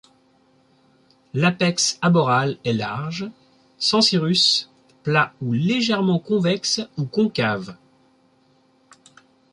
L'apex aboral est large, sans cirrus, plat ou légèrement convexe ou concave.